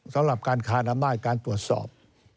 สำหรับการคานอำนาจการตรวจสอบ